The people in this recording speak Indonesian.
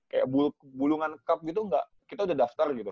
kayak bulungan cup gitu nggak kita udah daftar gitu